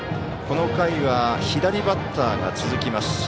この回は左バッターが続きます。